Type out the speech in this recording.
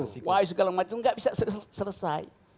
masiku wai segala macam enggak bisa selesai